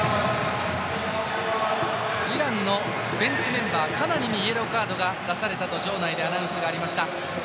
イランのベンチメンバーカナニにイエローカードが出されたと場内でアナウンスがありました。